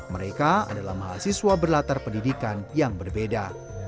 mereka adalah mahasiswa berlatar pendidikan yang berbeda